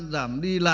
giảm thời gian